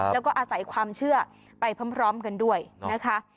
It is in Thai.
แล้วก็อาศัยความเชื่อไปพร้อมกันด้วยนะคะ